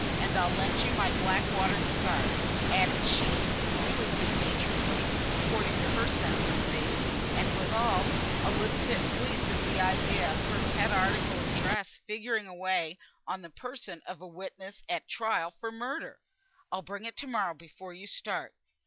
And I'll lend you my black watered scarf," added she, really good naturedly, according to her sense of things, and withal, a little bit pleased at the idea of her pet article of dress figuring away on the person of a witness at a trial for murder. "I'll bring it to morrow before you start."